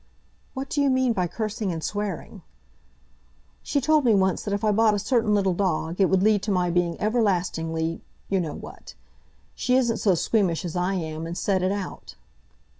"What do you mean by cursing and swearing?" "She told me once that if I bought a certain little dog, it would lead to my being everlastingly you know what. She isn't so squeamish as I am, and said it out."